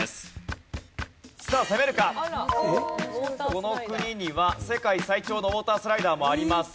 この国には世界最長のウォータースライダーもあります。